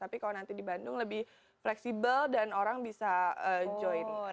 tapi kalau nanti di bandung lebih fleksibel dan orang bisa joint wan